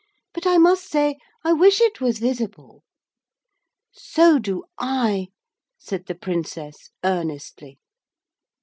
But I must say I wish it was visible.' 'So do I,' said the Princess earnestly.